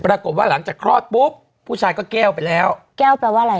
ปรากฏว่าหลังจากคลอดปุ๊บผู้ชายก็แก้วไปแล้วแก้วแปลว่าอะไร